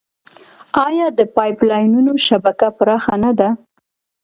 آیا د پایپ لاینونو شبکه پراخه نه ده؟